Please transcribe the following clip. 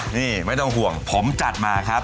นี่ไม่ต้องห่วงผมจัดมาครับ